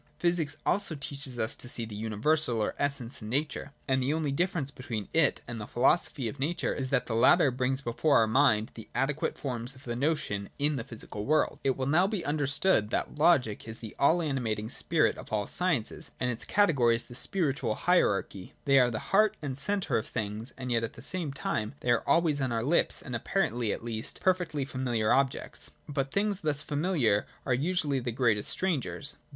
Physics also teaches us to see the universal or essence in Nature : and the only difference between it and the Philosophy of Nature is that the latter brings before our mind the adequate forms of the notion in the physical world. It will now be understood that Logic is the all animating spirit of all the sciences, and its categories the spiritual hier archy. They are the heart and centre of things : and yet at the same time they are always on our lips, and, apparently at least, perfectly familiar objects. But things thus familiar are usually the greatest strangers.